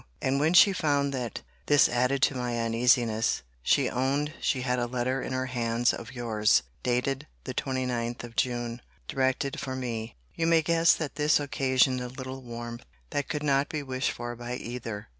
And when she found that this added to my uneasiness, she owned she had a letter in her hands of your's, dated the 29th of June, directed for me. You may guess, that this occasioned a little warmth, that could not be wished for by either.